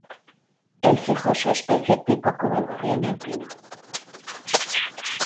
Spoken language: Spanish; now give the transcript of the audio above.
El fijó su especie tipo como el gorrión alpino.